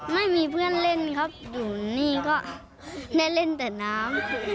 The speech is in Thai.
ไม่มีเพื่อนเล่นครับอยู่นี่ก็ได้เล่นแต่น้ำ